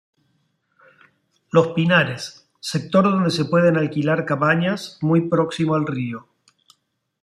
Los pinares: sector donde se pueden alquilar cabañas, muy próximo al río.